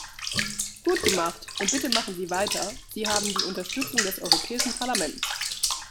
Gut gemacht und bitte machen Sie weiter Sie haben die Unterstützung des Europäischen Parlaments.